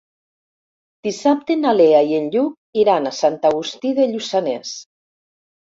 Dissabte na Lea i en Lluc iran a Sant Agustí de Lluçanès.